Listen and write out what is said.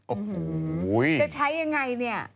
โอ้โหจะใช้ยังไงเนี่ย